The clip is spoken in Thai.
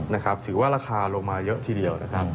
นะครับถือว่าราคาลงมาเยอะทีเดียวนะครับ